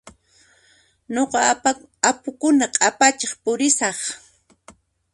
Nuqa apukuna q'apachiq pusiraq.